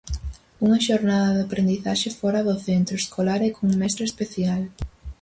Unha xornada de aprendizaxe fóra do centro escolar e cun mestre especial.